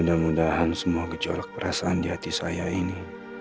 semoga semua gejolak perasaan di hati saya ini